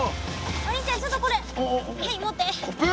お兄ちゃんちょっとこれはい持って。